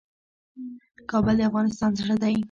کابل د افغانستان زړه دی